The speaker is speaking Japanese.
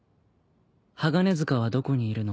鋼鐵塚はどこにいるの？